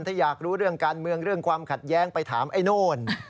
ถ้าอยากรู้เรื่องการเมืองเรื่องความขัดแย้งไปถามไอ้โน่น